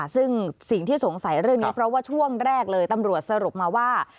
ซึ่งสิ่งที่สงสัยเรื่องนี้เพราะว่าช่วงแรกเลยตำรวจสรุปมาว่า